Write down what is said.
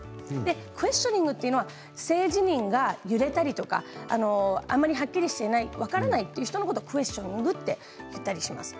クエスチョニングというのは性自認が揺れたりあまりはっきりしていない分からなかったりする人をクエスチョニングと言ったりします。